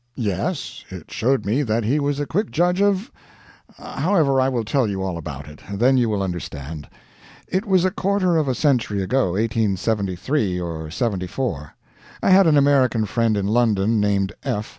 "Yes. It showed me that he was a quick judge of however, I will tell you all about it, then you will understand. It was a quarter of a century ago 1873 or '74. I had an American friend in London named F.